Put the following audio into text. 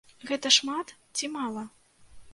Гэта шмат ці мала?